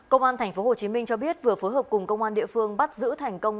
công an thành phố hồ chí minh cho biết vừa phối hợp cùng công an địa phương bắt giữ thành công